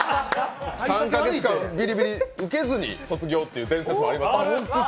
３か月間、ビリビリを受けずに卒業っていう伝説もありますよ。